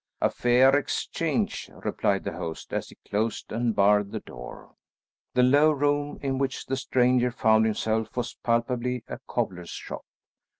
"A fair exchange," replied the host as he closed and barred the door. The low room in which the stranger found himself was palpably a cobbler's shop.